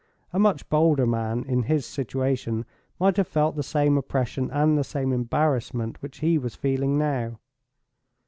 A much bolder man, in his situation, might have felt the same oppression and the same embarrassment which he was feeling now.